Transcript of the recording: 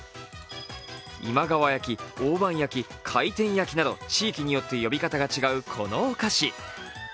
今川焼き、大判焼き、回転焼きなど地域によって呼び方が違うこのお菓子。